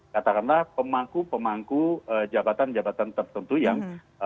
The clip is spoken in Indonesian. katakanlah pemangku pemangku jabatan jabatan tertentu yang